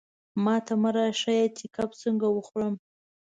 ماته مه را ښیه چې کب څنګه وخورم.